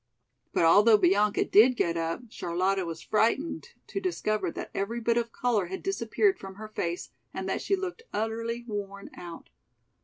But although Bianca did get up, Charlotta was frightened to discover that every bit of color had disappeared from her face and that she looked utterly worn out.